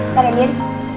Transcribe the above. tar ya dien